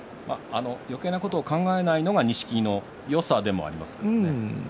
よけいなことを考えないのが錦木のよさではありますが。